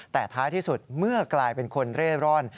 แต่ท้ายที่สุดเมื่อกลายเป็นคนเร่ร่อน